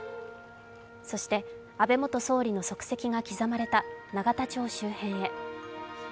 そして、安倍元総理の足跡が刻まれた永田町周辺へ。